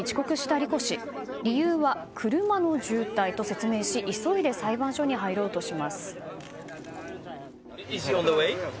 理由は車の渋滞と説明し急いで裁判所に入ろうとします。